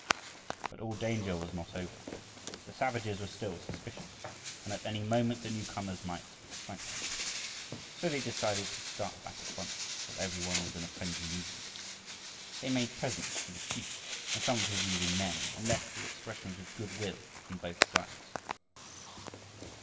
But all danger was not over. The savages were still suspicious, and at any moment the newcomers might excite them. So they decided to start back at once, while every one was in a friendly mood. They made presents to the chief and some of his leading men; and left with expressions of good will on both sides.